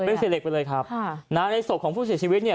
เป็นเศษเหล็กไปเลยครับค่ะนะฮะในศพของผู้เสียชีวิตเนี่ย